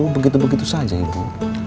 begitu begitu saja ibu